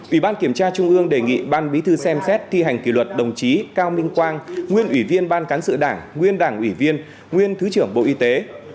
ubkt đề nghị ban bí thư xem xét thi hành kỷ luật đồng chí cao minh quang nguyên ủy viên ban cán sự đảng nguyên đảng ủy viên nguyên thứ trưởng bộ y tế